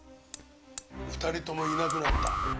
２人ともいなくなった。